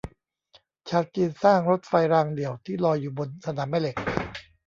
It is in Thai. ชาวจีนสร้างรถไฟรางเดี่ยวที่ลอยอยู่บนสนามแม่เหล็ก